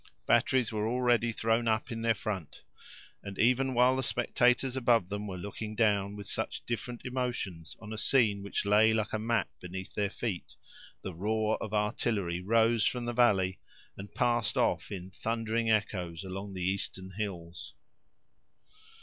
Batteries were already thrown up in their front, and even while the spectators above them were looking down, with such different emotions, on a scene which lay like a map beneath their feet, the roar of artillery rose from the valley, and passed off in thundering echoes along the eastern hills.